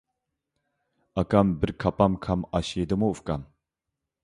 ئاكام بىر كاپام كام ئاش يېدىمۇ ئۇكام؟